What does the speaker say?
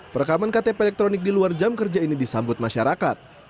perekaman ktp elektronik di luar jam kerja ini disambut masyarakat